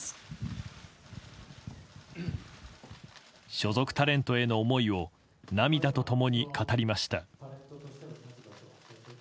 所属タレントへの思いを涙と共に語りました。